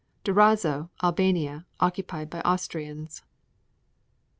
Durazzo, Albania, occupied by Austrians.